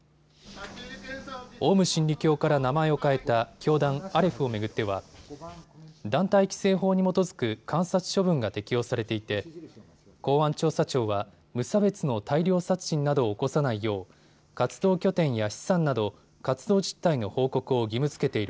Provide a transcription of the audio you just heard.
オウム真理教から名前を変えた教団、アレフを巡っては団体規制法に基づく観察処分が適用されていて公安調査庁は無差別の大量殺人などを起こさないよう活動拠点や資産など活動実態の報告を義務づけている